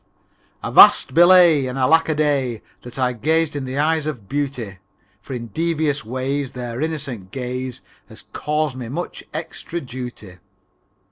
III Avast! Belay, And alack a day That I gazed in the eyes of beauty. For in devious ways Their innocent gaze Has caused me much extra duty.